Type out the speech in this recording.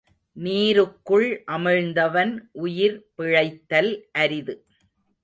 நீருக்குள் அமிழ்ந்தவன் உயிர் பிழைத்தல் அரிது.